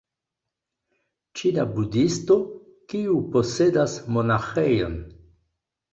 Ĉina budhisto, kiu posedas monaĥejon